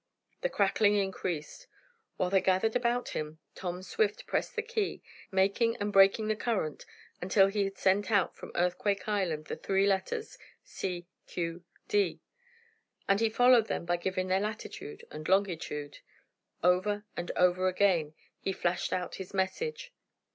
The crackling increased. While they gathered about him, Tom Swift pressed the key, making and breaking the current until he had sent out from Earthquake Island the three letters "C.Q.D." And he followed them by giving their latitude and longitude. Over and over again he flashed out this message.